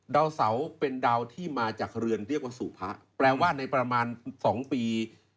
ดาวเสาเป็นดาวที่มาจากเรือนเรียกว่าสู่พระแปลว่าในประมาณ๒ปี